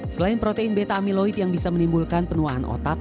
selain protein beta amiloid yang bisa menimbulkan penuaan otak